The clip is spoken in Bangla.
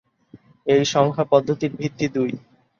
এই সংখ্যা পদ্ধতির ভিত্তি দুই।